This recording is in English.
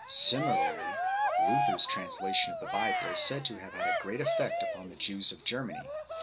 Similarly Luther s translation of the Bible is said to have had a great effect upon the Jews of Germany.